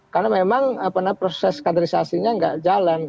karena memang proses kaderisasinya nggak jalan